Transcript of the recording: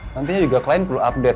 nantinya juga klien perlu update